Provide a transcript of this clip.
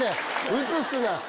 映すな！